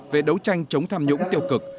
về đấu tranh chống tham nhũng tiêu cực